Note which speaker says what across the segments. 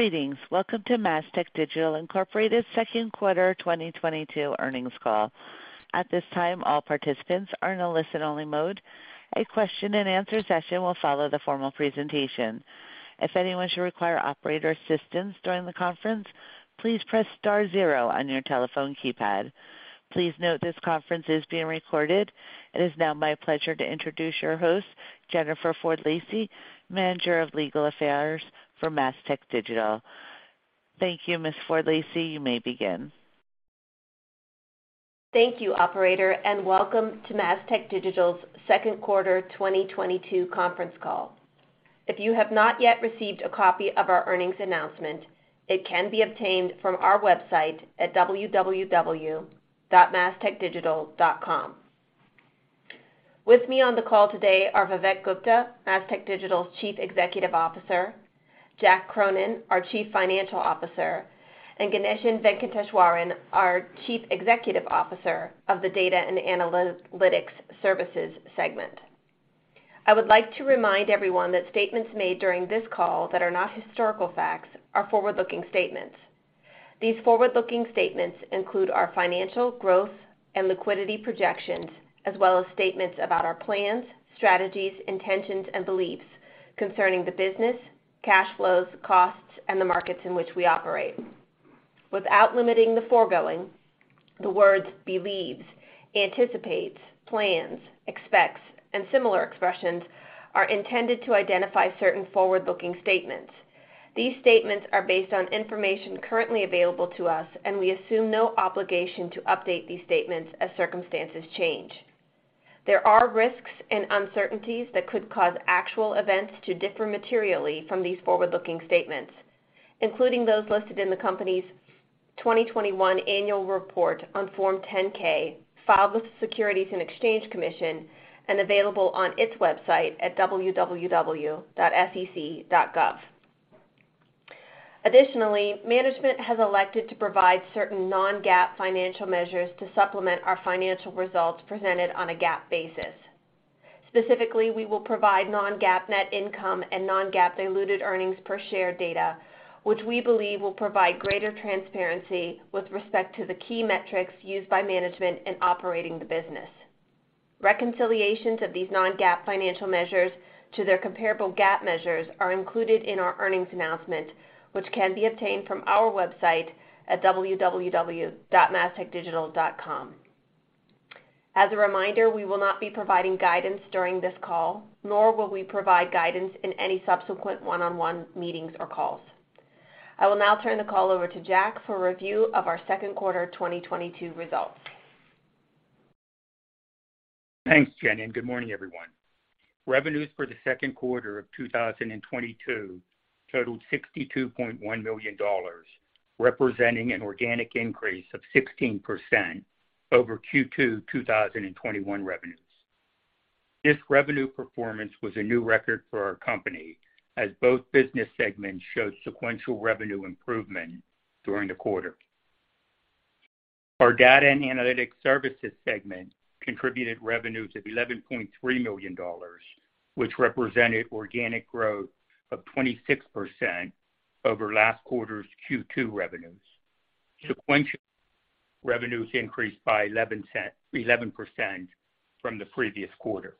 Speaker 1: Greetings. Welcome to Mastech Digital, Inc. Second Quarter 2022 Earnings Call. At this time, all participants are in a listen-only mode. A question-and-answer session will follow the formal presentation. If anyone should require operator assistance during the conference, please press star zero on your telephone keypad. Please note this conference is being recorded. It is now my pleasure to introduce your host, Jennifer Ford Lacey, Manager of Legal Affairs for Mastech Digital. Thank you, Ms. Ford Lacey, you may begin.
Speaker 2: Thank you, operator, and welcome to Mastech Digital's second quarter 2022 conference call. If you have not yet received a copy of our earnings announcement, it can be obtained from our website at www.mastechdigital.com. With me on the call today are Vivek Gupta, Mastech Digital's Chief Executive Officer, Jack Cronin, our Chief Financial Officer, and Ganeshan Venkateshwaran, our Chief Executive Officer of the Data and Analytics Services segment. I would like to remind everyone that statements made during this call that are not historical facts are forward-looking statements. These forward-looking statements include our financial growth and liquidity projections, as well as statements about our plans, strategies, intentions, and beliefs concerning the business, cash flows, costs, and the markets in which we operate. Without limiting the foregoing, the words believes, anticipates, plans, expects, and similar expressions are intended to identify certain forward-looking statements. These statements are based on information currently available to us, and we assume no obligation to update these statements as circumstances change. There are risks and uncertainties that could cause actual events to differ materially from these forward-looking statements, including those listed in the company's 2021 annual report on Form 10-K filed with the Securities and Exchange Commission and available on its website at www.sec.gov. Additionally, management has elected to provide certain non-GAAP financial measures to supplement our financial results presented on a GAAP basis. Specifically, we will provide non-GAAP net income and non-GAAP diluted earnings per share data, which we believe will provide greater transparency with respect to the key metrics used by management in operating the business. Reconciliations of these non-GAAP financial measures to their comparable GAAP measures are included in our earnings announcement, which can be obtained from our website at www.mastechdigital.com. As a reminder, we will not be providing guidance during this call, nor will we provide guidance in any subsequent one-on-one meetings or calls. I will now turn the call over to Jack for a review of our second quarter 2022 results.
Speaker 3: Thanks, Jenni, and good morning, everyone. Revenues for the second quarter of 2022 totaled $62.1 million, representing an organic increase of 16% over Q2 2021 revenues. This revenue performance was a new record for our company as both business segments showed sequential revenue improvement during the quarter. Our Data and Analytics Services segment contributed revenues of $11.3 million, which represented organic growth of 26% over last year's Q2 revenues. Sequential revenues increased by 11% from the previous quarter.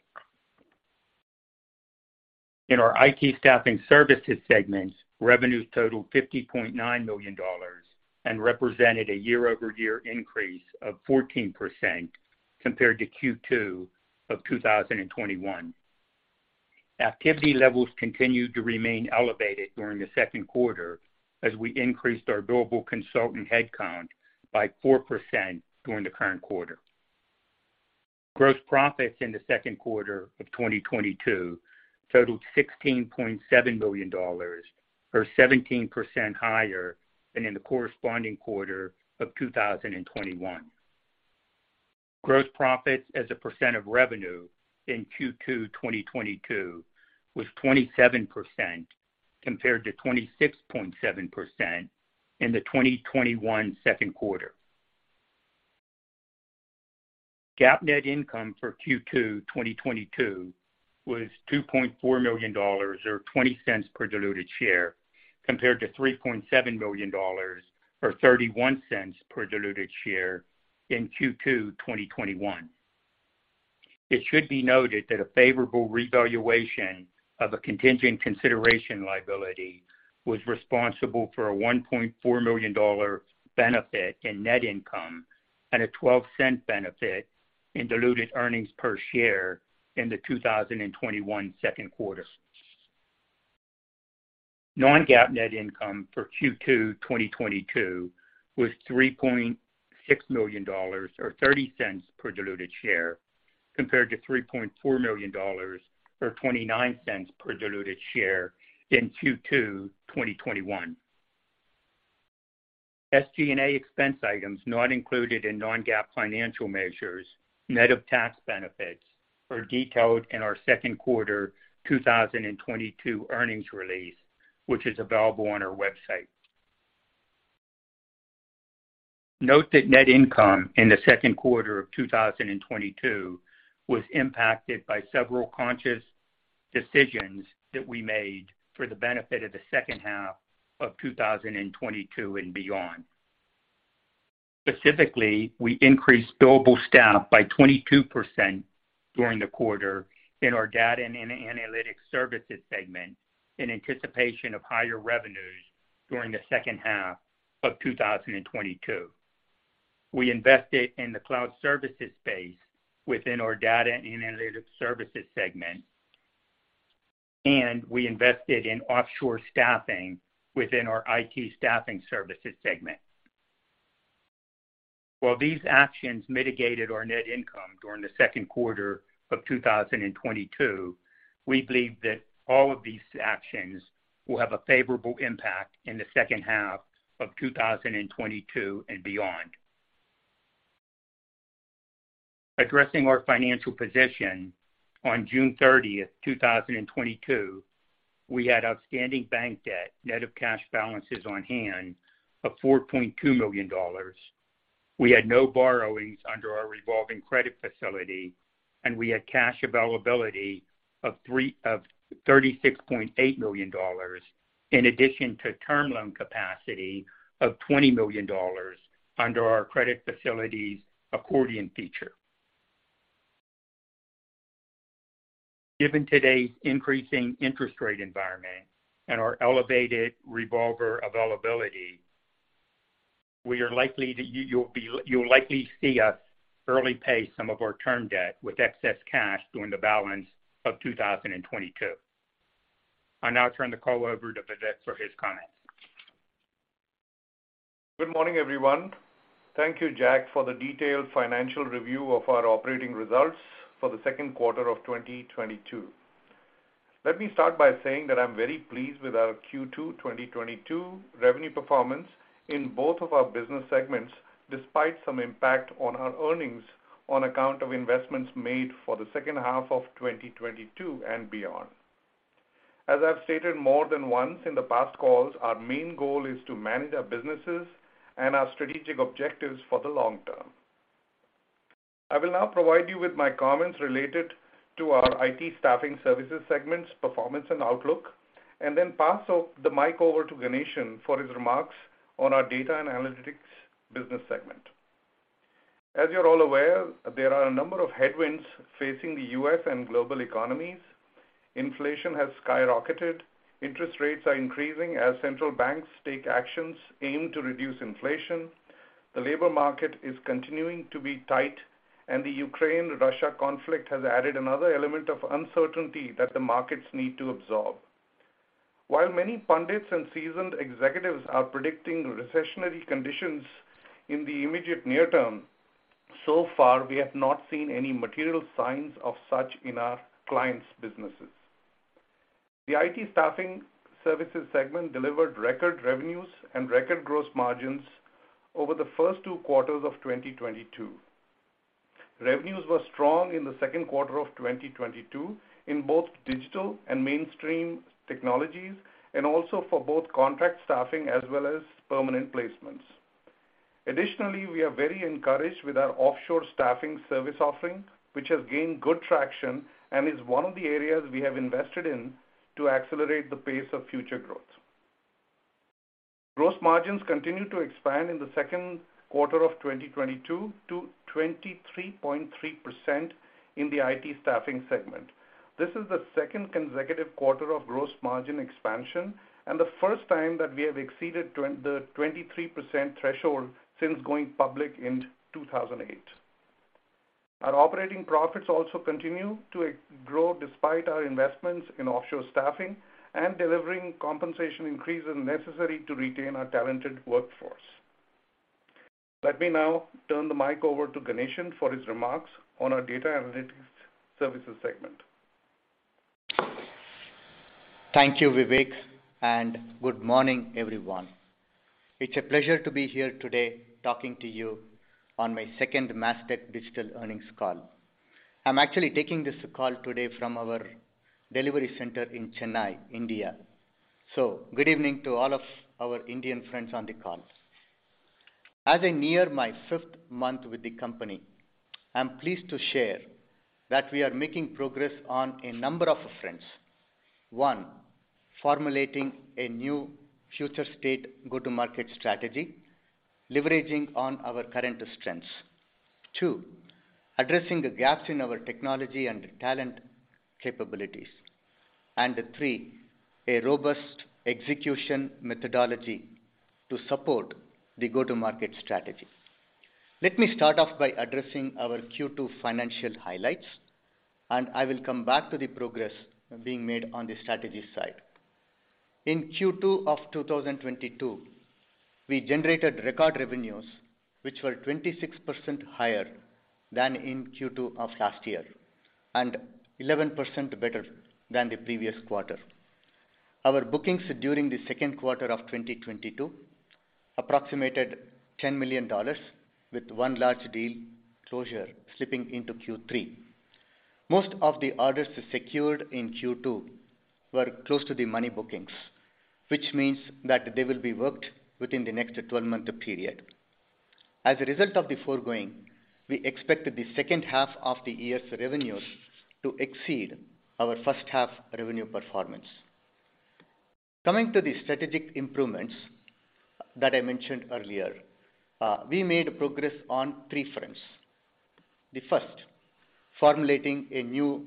Speaker 3: In our IT Staffing Services segment, revenues totaled $50.9 million and represented a year-over-year increase of 14% compared to Q2 of 2021. Activity levels continued to remain elevated during the second quarter as we increased our billable consultant headcount by 4% during the current quarter. Gross profits in the second quarter of 2022 totaled $16.7 million, or 17% higher than in the corresponding quarter of 2021. Gross profits as a percent of revenue in Q2 2022 was 27%, compared to 26.7% in the 2021 second quarter. GAAP net income for Q2 2022 was $2.4 million or $0.20 per diluted share, compared to $3.7 million or $0.31 per diluted share in Q2 2021. It should be noted that a favorable revaluation of a contingent consideration liability was responsible for a $1.4 million benefit in net income and a $0.12 benefit in diluted earnings per share in the 2021 second quarter. Non-GAAP net income for Q2 2022 was $3.6 million or $0.30 per diluted share, compared to $3.4 million or $0.29 per diluted share in Q2 2021. SG&A expense items not included in non-GAAP financial measures, net of tax benefits, are detailed in our second quarter 2022 earnings release, which is available on our website. Note that net income in the second quarter of 2022 was impacted by several conscious decisions that we made for the benefit of the second half of 2022 and beyond. Specifically, we increased billable staff by 22% during the quarter in our Data and Analytics Services segment in anticipation of higher revenues during the second half of 2022. We invested in the cloud services space within our Data and Analytics Services segment, and we invested in offshore staffing within our IT Staffing Services segment. While these actions mitigated our net income during the second quarter of 2022, we believe that all of these actions will have a favorable impact in the second half of 2022 and beyond. Addressing our financial position on June 30th, 2022, we had outstanding bank debt net of cash balances on hand of $4.2 million. We had no borrowings under our revolving credit facility, and we had cash availability of $36.8 million in addition to term loan capacity of $20 million under our credit facilities accordion feature. Given today's increasing interest rate environment and our elevated revolver availability, you'll likely see us early pay some of our term debt with excess cash during the balance of 2022. I now turn the call over to Vivek for his comments.
Speaker 4: Good morning, everyone. Thank you, Jack, for the detailed financial review of our operating results for the second quarter of 2022. Let me start by saying that I'm very pleased with our Q2 2022 revenue performance in both of our business segments despite some impact on our earnings on account of investments made for the second half of 2022 and beyond. As I've stated more than once in the past calls, our main goal is to manage our businesses and our strategic objectives for the long-term. I will now provide you with my comments related to our IT Staffing Services segment's performance and outlook, and then pass the mic over to Ganeshan for his remarks on our Data and Analytics business segment. As you're all aware, there are a number of headwinds facing the U.S. and global economies. Inflation has skyrocketed. Interest rates are increasing as central banks take actions aimed to reduce inflation. The labor market is continuing to be tight, and the Ukraine-Russia conflict has added another element of uncertainty that the markets need to absorb. While many pundits and seasoned executives are predicting recessionary conditions in the immediate near term, so far we have not seen any material signs of such in our clients' businesses. The IT Staffing Services segment delivered record revenues and record gross margins over the first two quarters of 2022. Revenues were strong in the second quarter of 2022 in both digital and mainstream technologies, and also for both contract staffing as well as permanent placements. Additionally, we are very encouraged with our offshore staffing service offering, which has gained good traction and is one of the areas we have invested in to accelerate the pace of future growth. Gross margins continued to expand in the second quarter of 2022 to 23.3% in the IT Staffing Services segment. This is the second consecutive quarter of gross margin expansion and the first time that we have exceeded the 23% threshold since going public in 2008. Our operating profits also continue to grow despite our investments in offshore staffing and delivering compensation increases necessary to retain our talented workforce. Let me now turn the mic over to Ganeshan for his remarks on our Data and Analytics Services segment.
Speaker 5: Thank you, Vivek, and good morning, everyone. It's a pleasure to be here today talking to you on my second Mastech Digital earnings call. I'm actually taking this call today from our delivery center in Chennai, India. Good evening to all of our Indian friends on the call. As I near my fifth month with the company, I'm pleased to share that we are making progress on a number of fronts. One, formulating a new future state go-to-market strategy, leveraging on our current strengths. Two, addressing the gaps in our technology and talent capabilities. Three, a robust execution methodology to support the go-to-market strategy. Let me start off by addressing our Q2 financial highlights, and I will come back to the progress being made on the strategy side. In Q2 of 2022, we generated record revenues, which were 26% higher than in Q2 of last year and 11% better than the previous quarter. Our bookings during the second quarter of 2022 approximated $10 million, with one large deal closure slipping into Q3. Most of the orders secured in Q2 were close to the money bookings, which means that they will be worked within the next 12-month period. As a result of the foregoing, we expect the second half of the year's revenues to exceed our first half revenue performance. Coming to the strategic improvements that I mentioned earlier, we made progress on three fronts. The first, formulating a new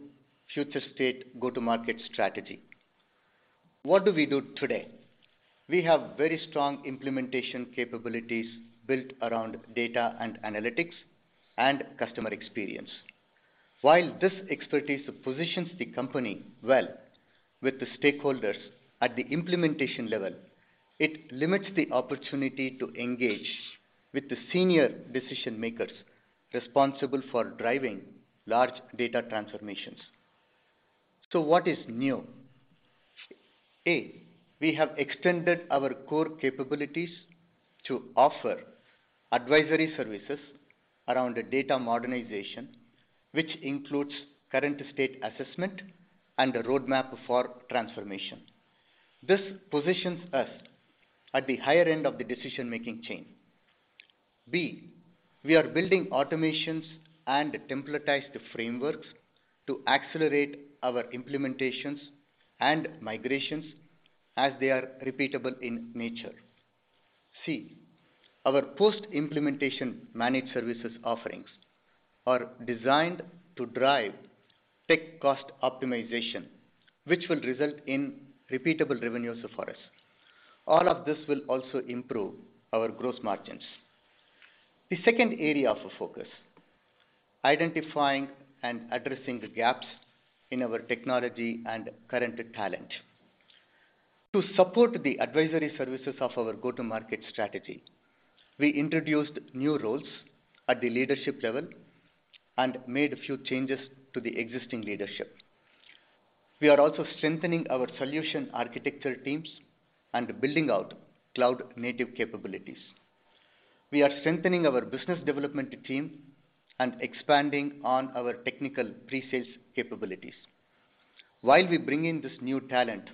Speaker 5: future state go-to-market strategy. What do we do today? We have very strong implementation capabilities built around data and analytics and customer experience. While this expertise positions the company well with the stakeholders at the implementation level, it limits the opportunity to engage with the senior decision-makers responsible for driving large data transformations. What is new? A, we have extended our core capabilities to offer advisory services around data modernization, which includes current state assessment and a roadmap for transformation. This positions us at the higher end of the decision-making chain. B, we are building automations and templatized frameworks to accelerate our implementations and migrations as they are repeatable in nature. C, our post-implementation managed services offerings are designed to drive tech cost optimization, which will result in repeatable revenues for us. All of this will also improve our gross margins. The second area of focus, identifying and addressing the gaps in our technology and current talent. To support the advisory services of our go-to-market strategy, we introduced new roles at the leadership level and made a few changes to the existing leadership. We are also strengthening our solution architecture teams and building out cloud-native capabilities. We are strengthening our business development team and expanding on our technical pre-sales capabilities. While we bring in this new talent,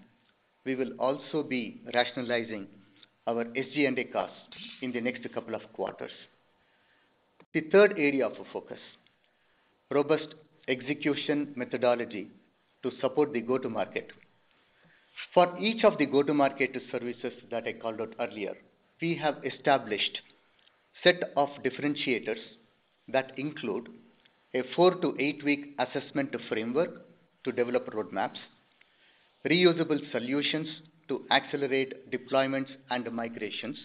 Speaker 5: we will also be rationalizing our SG&A cost in the next couple of quarters. The third area of focus, robust execution methodology to support the go-to-market. For each of the go-to-market services that I called out earlier, we have established set of differentiators that include a four to eight-week assessment framework to develop roadmaps, reusable solutions to accelerate deployments and migrations,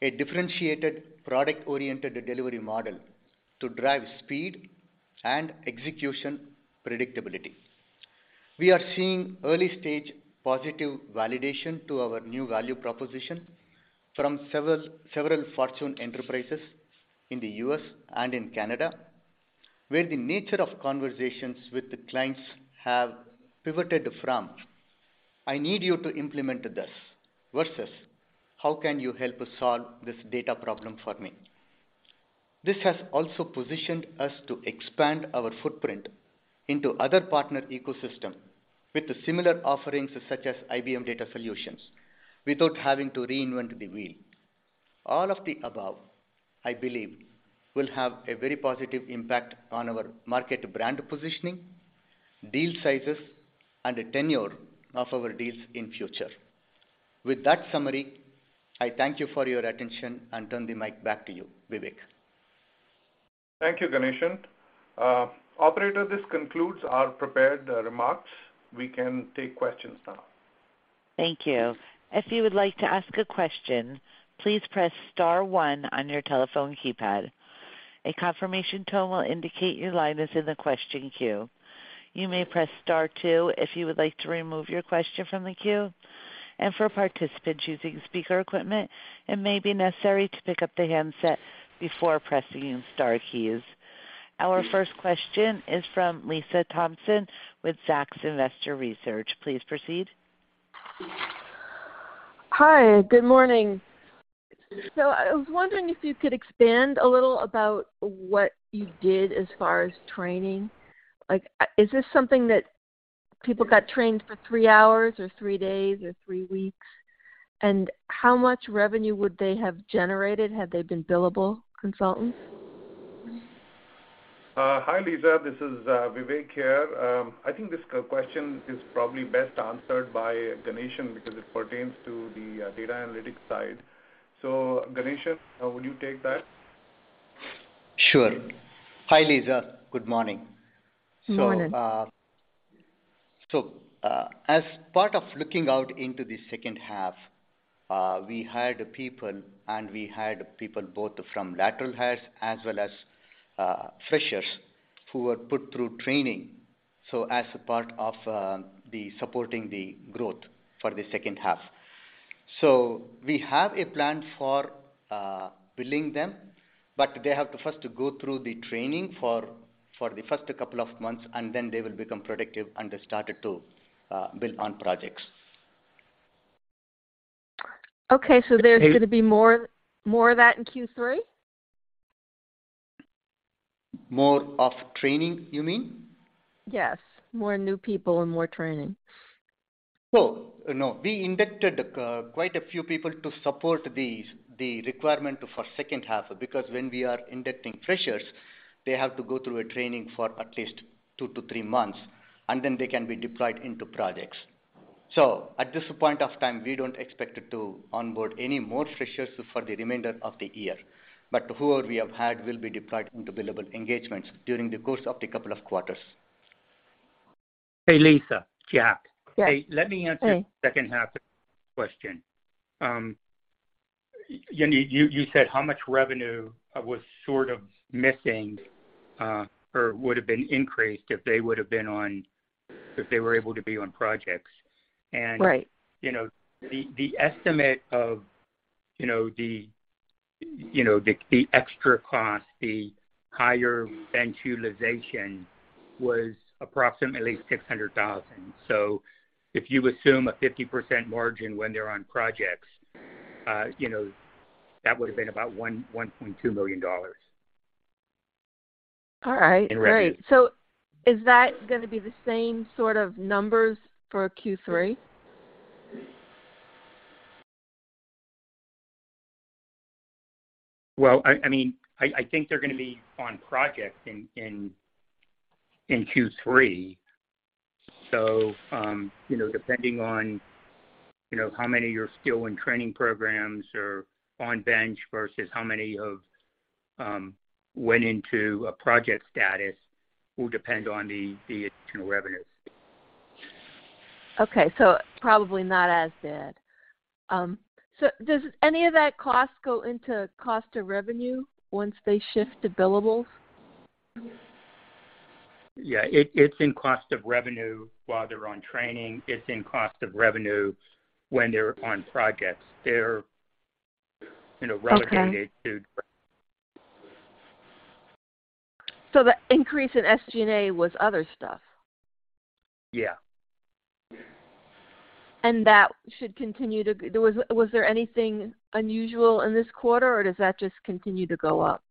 Speaker 5: a differentiated product-oriented delivery model to drive speed and execution predictability. We are seeing early-stage positive validation to our new value proposition from several Fortune enterprises in the U.S. and in Canada, where the nature of conversations with the clients have pivoted from, "I need you to implement this," versus, "How can you help solve this data problem for me?" This has also positioned us to expand our footprint into other partner ecosystem with similar offerings, such as IBM data solutions, without having to reinvent the wheel. All of the above, I believe, will have a very positive impact on our market brand positioning, deal sizes, and the tenure of our deals in future. With that summary, I thank you for your attention and turn the mic back to you, Vivek.
Speaker 4: Thank you, Ganeshan. Operator, this concludes our prepared remarks. We can take questions now.
Speaker 1: Thank you. If you would like to ask a question, please press star one on your telephone keypad. A confirmation tone will indicate your line is in the question queue. You may press star two if you would like to remove your question from the queue. For participants using speaker equipment, it may be necessary to pick up the handset before pressing star keys. Our first question is from Lisa Thompson with Zacks Investment Research. Please proceed.
Speaker 6: Hi, good morning. I was wondering if you could expand a little about what you did as far as training. Like, is this something that people got trained for three hours or three days or three weeks? How much revenue would they have generated had they been billable consultants?
Speaker 4: Hi, Lisa. This is Vivek here. I think this question is probably best answered by Ganeshan because it pertains to the data analytics side. Ganeshan, would you take that?
Speaker 5: Sure. Hi, Lisa. Good morning.
Speaker 6: Morning.
Speaker 5: As part of looking out into the second half, we hired people both from lateral hires as well as freshers who were put through training as part of supporting the growth for the second half. We have a plan for billing them, but they have to first go through the training for the first couple of months, and then they will become productive, and they started to build on projects.
Speaker 6: Okay. There's gonna be more of that in Q3?
Speaker 5: More of training, you mean?
Speaker 6: Yes. More new people and more training.
Speaker 5: No, no. We inducted quite a few people to support the requirement for second half because when we are inducting freshers, they have to go through a training for at least two to three months, and then they can be deployed into projects. At this point of time, we don't expect to onboard any more freshers for the remainder of the year. Whoever we have had will be deployed into billable engagements during the course of the couple of quarters.
Speaker 3: Hey, Lisa. Jack.
Speaker 6: Yes.
Speaker 3: Hey. Let me answer.
Speaker 6: Hey...
Speaker 3: The second half of the question. You said how much revenue was sort of missing or would have been increased if they were able to be on projects.
Speaker 6: Right
Speaker 3: You know, the estimate of, you know, the extra cost, the higher bench utilization was approximately $600,000. If you assume a 50% margin when they're on projects, you know, that would have been about $1.2 million.
Speaker 6: All right.
Speaker 3: In revenue.
Speaker 6: Great. Is that gonna be the same sort of numbers for Q3?
Speaker 3: Well, I mean, I think they're gonna be on projects in Q3. You know, depending on you know how many are still in training programs or on bench versus how many have went into a project status will depend on the additional revenues.
Speaker 6: Okay. Probably not as bad. Does any of that cost go into cost of revenue once they shift to billables?
Speaker 3: Yeah. It's in cost of revenue while they're on training. It's in cost of revenue when they're on projects. They're, you know.
Speaker 6: Okay
Speaker 3: related to.
Speaker 6: The increase in SG&A was other stuff.
Speaker 3: Yeah.
Speaker 6: That should continue to. Was there anything unusual in this quarter, or does that just continue to go up?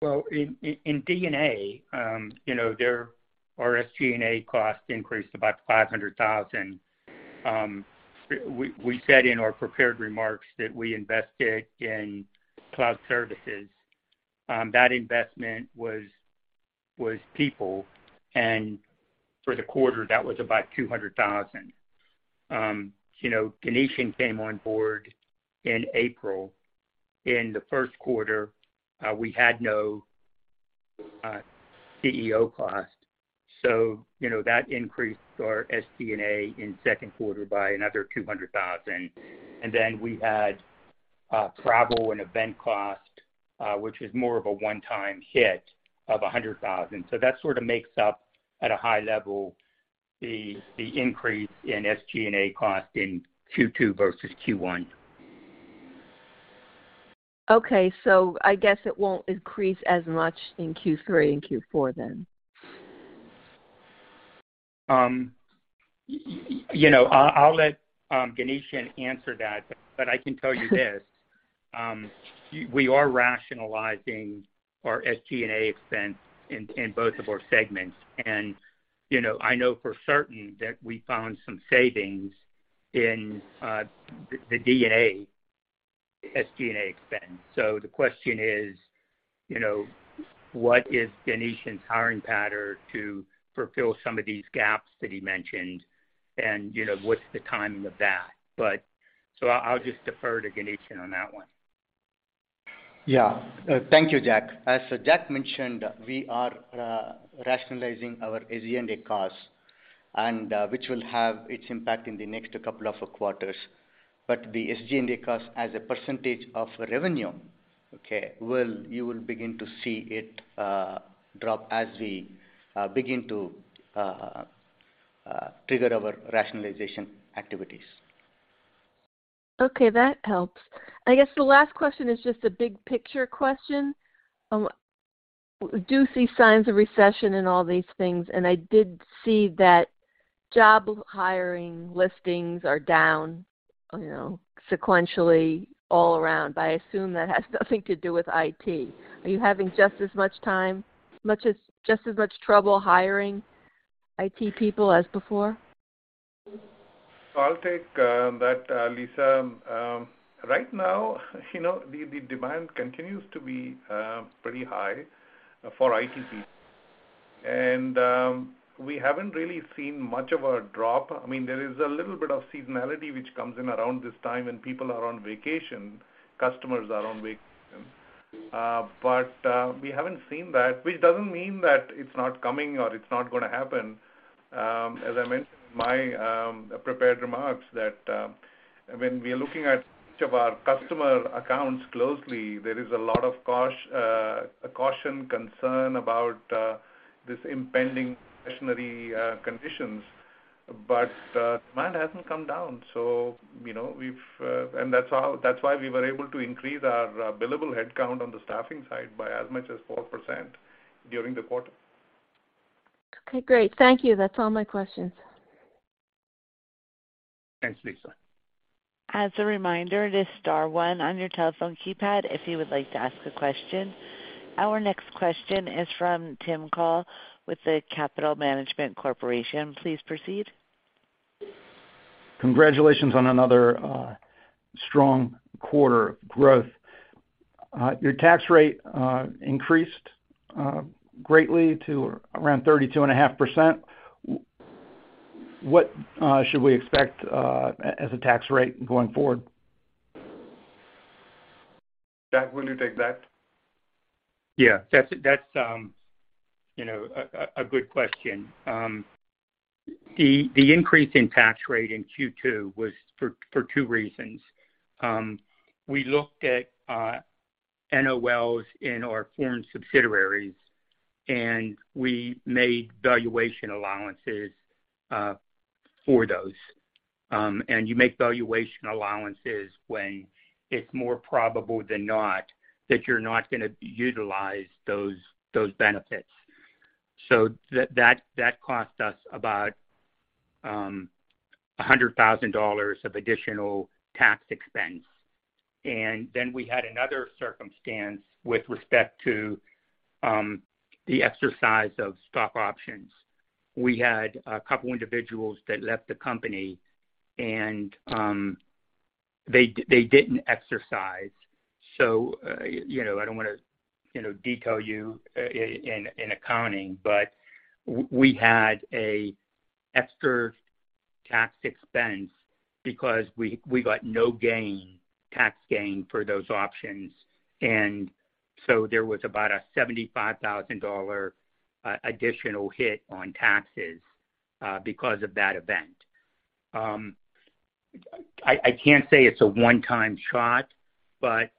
Speaker 3: Well, in D&A, you know, our SG&A costs increased about $500,000. We said in our prepared remarks that we invested in cloud services. That investment was people. For the quarter, that was about $200,000. You know, Ganeshan came on board in April. In the first quarter, we had no CEO cost. You know, that increased our SG&A in second quarter by another $200,000. Then we had travel and event cost, which was more of a one-time hit of $100,000. That sort of makes up at a high level the increase in SG&A cost in Q2 versus Q1.
Speaker 6: Okay. I guess it won't increase as much in Q3 and Q4 then.
Speaker 3: You know, I'll let Ganeshan answer that. I can tell you this. We are rationalizing our SG&A expense in both of our segments. You know, I know for certain that we found some savings in the D&A SG&A expense. The question is, you know, what is Ganeshan's hiring pattern to fulfill some of these gaps that he mentioned? You know, what's the timing of that? I'll just defer to Ganeshan on that one.
Speaker 5: Yeah. Thank you, Jack. As Jack mentioned, we are rationalizing our SG&A costs, and which will have its impact in the next couple of quarters. The SG&A cost as a percentage of revenue, okay, will, you will begin to see it drop as we begin to trigger our rationalization activities.
Speaker 6: Okay. That helps. I guess the last question is just a big picture question. Do you see signs of recession in all these things? I did see that job hiring listings are down, you know, sequentially all around, but I assume that has nothing to do with IT. Are you having just as much trouble hiring IT people as before?
Speaker 4: I'll take that, Lisa. Right now, you know, the demand continues to be pretty high for IT people. We haven't really seen much of a drop. I mean, there is a little bit of seasonality which comes in around this time, and people are on vacation, customers are on vacation. We haven't seen that, which doesn't mean that it's not coming or it's not gonna happen. As I mentioned in my prepared remarks that when we are looking at each of our customer accounts closely, there is a lot of caution, concern about this impending recessionary conditions. Demand hasn't come down. You know, that's why we were able to increase our billable headcount on the staffing side by as much as 4% during the quarter.
Speaker 6: Okay, great. Thank you. That's all my questions.
Speaker 4: Thanks, Lisa.
Speaker 1: As a reminder, it is star one on your telephone keypad if you would like to ask a question. Our next question is from Timothy Call with the Capital Management Corporation. Please proceed.
Speaker 7: Congratulations on another strong quarter of growth. Your tax rate increased greatly to around 32.5%. What should we expect as a tax rate going forward?
Speaker 4: Jack, will you take that?
Speaker 3: Yeah. That's you know a good question. The increase in tax rate in Q2 was for two reasons. We looked at NOLs in our foreign subsidiaries, and we made valuation allowances for those. You make valuation allowances when it's more probable than not that you're not gonna utilize those benefits. That cost us about $100,000 of additional tax expense. We had another circumstance with respect to the exercise of stock options. We had a couple individuals that left the company and they didn't exercise. You know, I don't wanna you know detail you in accounting, but we had a extra tax expense because we got no tax gain for those options. There was about a $75,000 additional hit on taxes because of that event. I can't say it's a one-time shot, but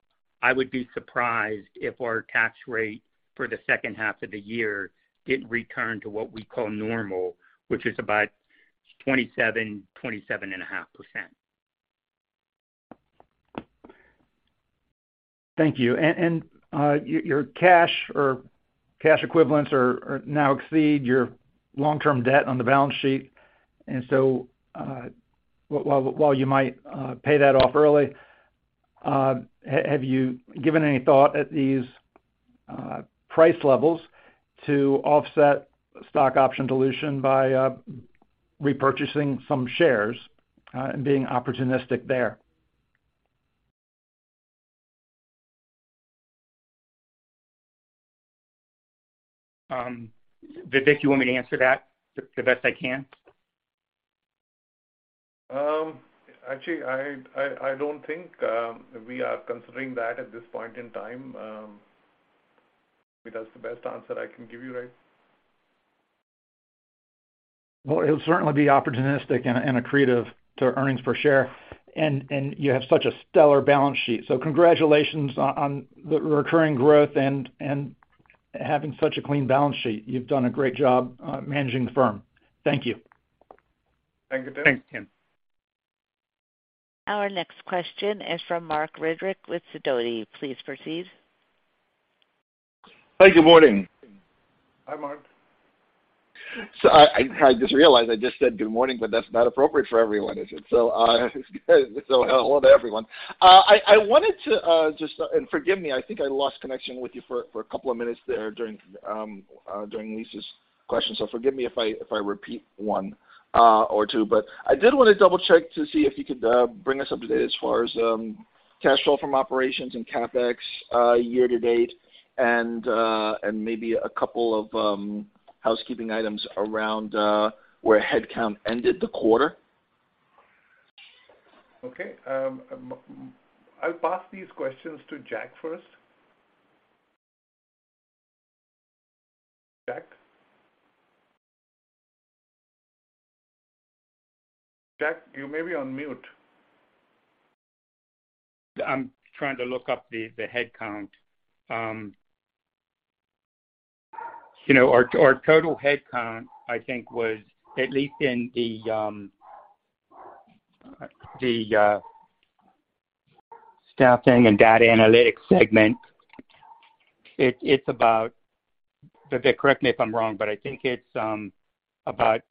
Speaker 3: I would be surprised if our tax rate for the second half of the year didn't return to what we call normal, which is about 27%-27.5%.
Speaker 7: Thank you. Your cash or cash equivalents now exceed your long-term debt on the balance sheet. While you might pay that off early, have you given any thought at these price levels to offset stock option dilution by repurchasing some shares and being opportunistic there?
Speaker 3: Vivek, you want me to answer that the best I can?
Speaker 4: Actually, I don't think we are considering that at this point in time. That's the best answer I can give you right now.
Speaker 7: Well, it'll certainly be opportunistic and accretive to earnings per share. You have such a stellar balance sheet. Congratulations on the recurring growth and having such a clean balance sheet. You've done a great job managing the firm. Thank you.
Speaker 4: Thank you, Tim.
Speaker 1: Our next question is from Marc Riddick with Sidoti. Please proceed.
Speaker 8: Hi, good morning.
Speaker 4: Hi, Marc.
Speaker 8: I just realized I just said good morning, but that's not appropriate for everyone, is it? Hello to everyone. I wanted to and forgive me, I think I lost connection with you for a couple of minutes there during Lisa's question. Forgive me if I repeat one or two. I did wanna double-check to see if you could bring us up to date as far as cash flow from operations and CapEx year to date, and maybe a couple of housekeeping items around where headcount ended the quarter.
Speaker 4: Okay. I'll pass these questions to Jack first. Jack? Jack, you may be on mute.
Speaker 3: I'm trying to look up the headcount. You know, our total headcount, I think, was at least in the staffing and data analytics segment, it's about—Vivek, correct me if I'm wrong, but I think it's about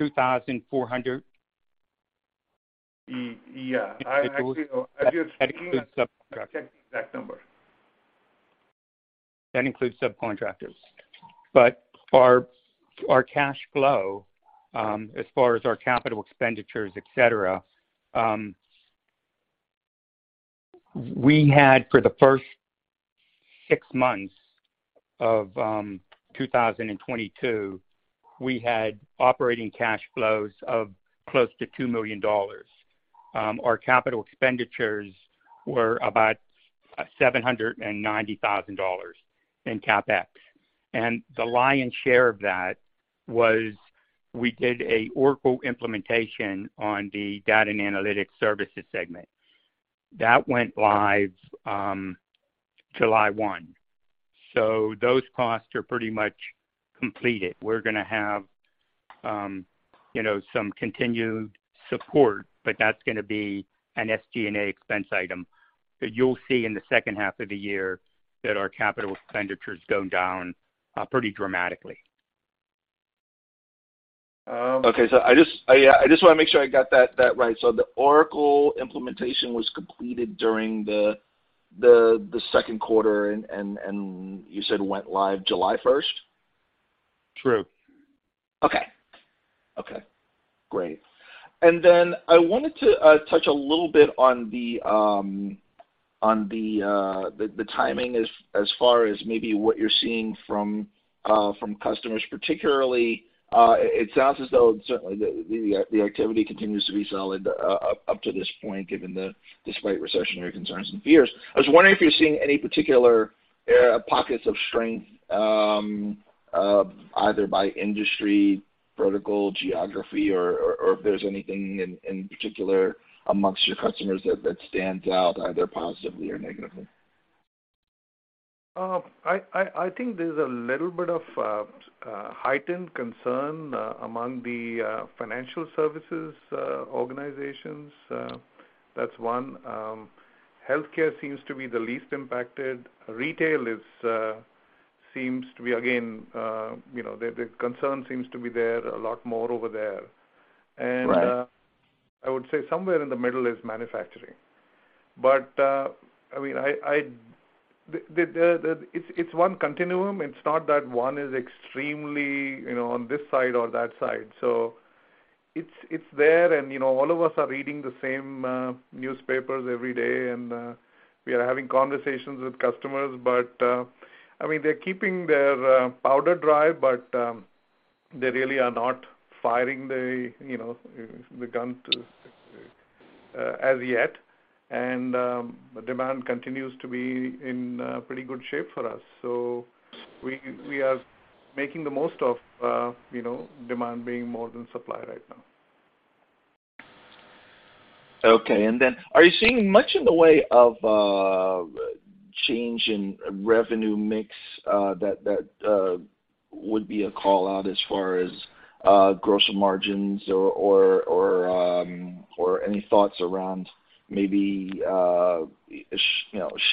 Speaker 3: 2,400.
Speaker 4: Yeah. I actually
Speaker 3: That includes subcontractors.
Speaker 4: I have to check the exact number.
Speaker 3: That includes subcontractors. Our cash flow, as far as our capital expenditures, et cetera, we had for the first six months of 2022, we had operating cash flows of close to $2 million. Our capital expenditures were about $790,000 in CapEx. The lion's share of that was we did an Oracle implementation on the Data and Analytics Services segment. That went live July 1. Those costs are pretty much completed. We're gonna have you know, some continued support, but that's gonna be an SG&A expense item that you'll see in the second half of the year that our capital expenditures go down pretty dramatically.
Speaker 8: Okay. I just wanna make sure I got that right. The Oracle implementation was completed during the second quarter and you said went live July 1st?
Speaker 3: True.
Speaker 8: Okay. Okay, great. Then I wanted to touch a little bit on the timing as far as maybe what you're seeing from customers particularly. It sounds as though certainly the activity continues to be solid up to this point, despite recessionary concerns and fears. I was wondering if you're seeing any particular pockets of strength either by industry, vertical, geography or if there's anything in particular amongst your customers that stands out either positively or negatively.
Speaker 4: I think there's a little bit of heightened concern among the financial services organizations. That's one. Healthcare seems to be the least impacted. Retail seems to be again, you know, the concern seems to be there a lot more over there.
Speaker 8: Right.
Speaker 4: I would say somewhere in the middle is manufacturing. It's one continuum. It's not that one is extremely, you know, on this side or that side. It's there and, you know, all of us are reading the same newspapers every day, and we are having conversations with customers. They're keeping their powder dry, but they really are not firing the, you know, the gun to as yet. Demand continues to be in pretty good shape for us. We are making the most of, you know, demand being more than supply right now.
Speaker 8: Okay. Are you seeing much in the way of change in revenue mix that would be a call-out as far as gross margins or any thoughts around maybe you know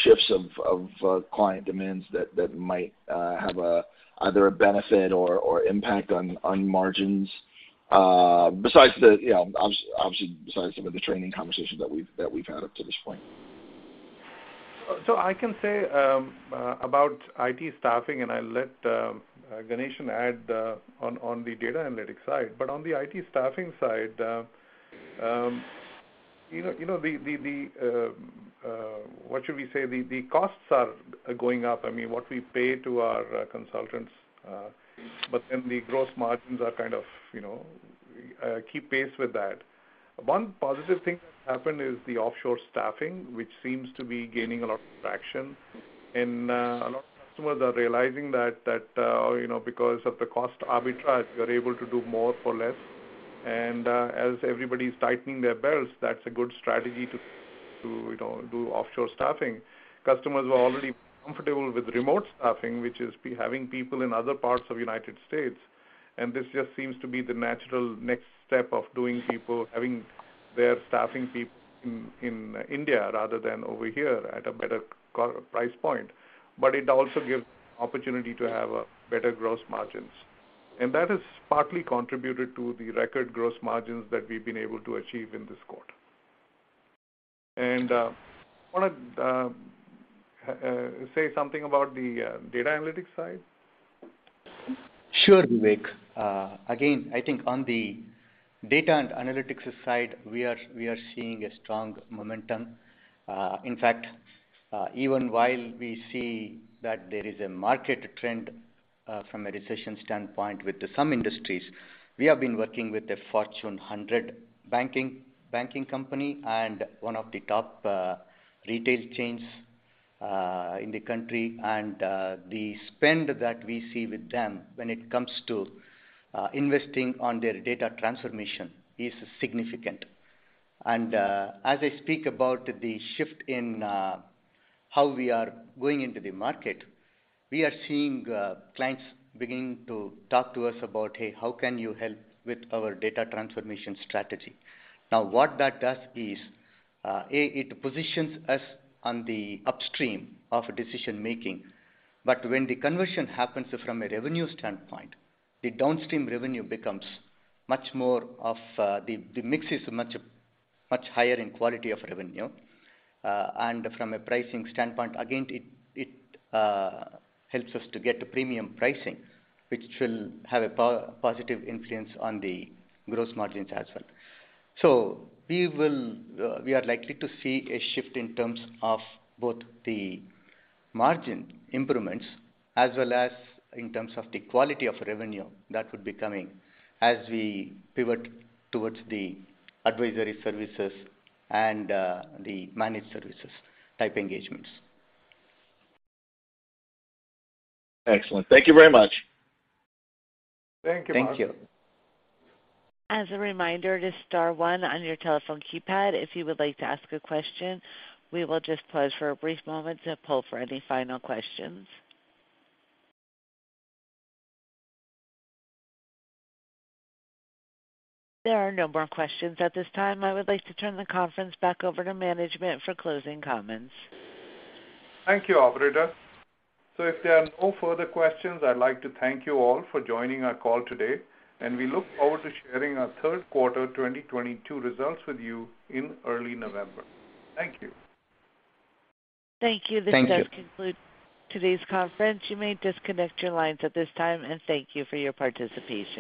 Speaker 8: shifts of client demands that might have either a benefit or impact on margins besides the you know obviously besides some of the training conversations that we've had up to this point?
Speaker 4: I can say about IT staffing, and I'll let Ganeshan add on the data analytics side. On the IT staffing side, you know, the costs are going up. I mean, what we pay to our consultants, but then the gross margins are kind of, you know, keep pace with that. One positive thing that happened is the offshore staffing, which seems to be gaining a lot of traction. A lot of customers are realizing that, you know, because of the cost arbitrage, we are able to do more for less. As everybody's tightening their belts, that's a good strategy to, you know, do offshore staffing. Customers were already comfortable with remote staffing, which is having people in other parts of United States, and this just seems to be the natural next step of having their staffing people in India rather than over here at a better price point. It also gives opportunity to have better gross margins. That has partly contributed to the record gross margins that we've been able to achieve in this quarter. Wanna say something about the data analytics side?
Speaker 5: Sure, Vivek. Again, I think on the data and analytics side, we are seeing a strong momentum. In fact, even while we see that there is a market trend from a recession standpoint with some industries, we have been working with a Fortune 100 banking company and one of the top retail chains in the country. The spend that we see with them when it comes to investing on their data transformation is significant. As I speak about the shift in how we are going into the market, we are seeing clients beginning to talk to us about, "Hey, how can you help with our data transformation strategy?" Now, what that does is, A, it positions us on the upstream of decision-making. When the conversion happens from a revenue standpoint, the downstream revenue becomes much more of the mix is much higher in quality of revenue. From a pricing standpoint, again, it helps us to get premium pricing, which will have a positive influence on the gross margins as well. We are likely to see a shift in terms of both the margin improvements as well as in terms of the quality of revenue that would be coming as we pivot towards the advisory services and the managed services type engagements.
Speaker 8: Excellent. Thank you very much.
Speaker 4: Thank you, Marc.
Speaker 5: Thank you.
Speaker 1: As a reminder, just star one on your telephone keypad if you would like to ask a question. We will just pause for a brief moment to poll for any final questions. There are no more questions at this time. I would like to turn the conference back over to management for closing comments.
Speaker 4: Thank you, operator. If there are no further questions, I'd like to thank you all for joining our call today, and we look forward to sharing our third quarter 2022 results with you in early November. Thank you.
Speaker 5: Thank you.
Speaker 1: Thank you. This does conclude today's conference. You may disconnect your lines at this time, and thank you for your participation.